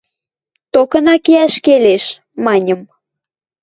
– Токына кеӓш келеш, – маньым.